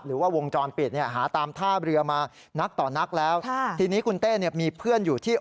วงจรปิดเนี่ยหาตามท่าเรือมานักต่อนักแล้วทีนี้คุณเต้เนี่ยมีเพื่อนอยู่ที่